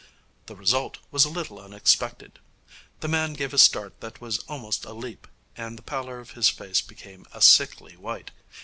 The result was a little unexpected. The man gave a start that was almost a leap, and the pallor of his face became a sickly white.